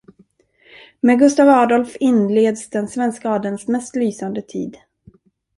Med Gustaf Adolf inleds den svenska adelns mest lysande tid.